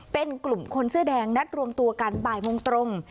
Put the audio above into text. เป็นกลุ่มคนเสื้อแดงนัดรวมตัวกันบ่ายโมงตรง